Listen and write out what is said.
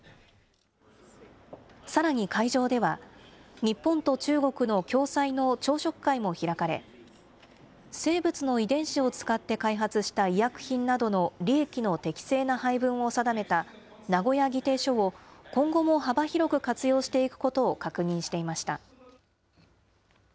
さらに会場では、日本と中国の共催の朝食会も開かれ、生物の遺伝子を使って開発した医薬品などの利益の適正な配分を定めた名古屋議定書を、今後も幅広く活用していくことを確認していました。